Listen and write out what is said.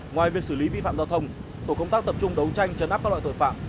ngoài việc xử lý vi phạm giao thông tổ công tác tập trung đấu tranh chấn áp các loại tội phạm